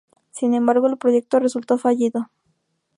Sin embargo, el proyecto resultó fallido.